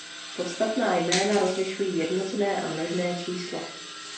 Podstatná jména rozlišují jednotné a množné číslo.